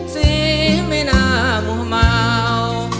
สีไม่น่าหม่อมาว